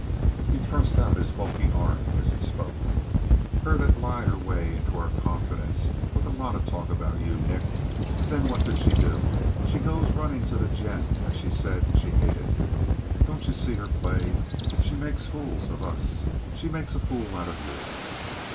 He thrust out his bulky arm as he spoke. "Her that lied her way into our confidence with a lot of talk about you, Nick. Then what did she do? She goes runnin' to the gent that she said she hated. Don't you see her play? She makes fools of us she makes a fool out of you!"